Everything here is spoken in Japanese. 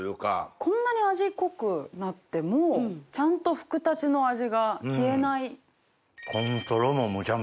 こんなに味濃くなってもちゃんとふくたちの味が消えない。